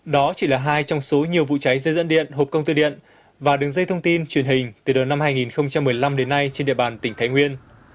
đó chỉ là hai trong số nhiều vụ cháy dây dẫn điện hộp công tơ điện và đường dây thông tin truyền hình từ đầu năm hai nghìn một mươi năm đến nay trên địa bàn tỉnh thái nguyên